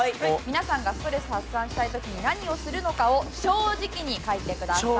皆さんがストレス発散したい時に何をするのかを正直に書いてください。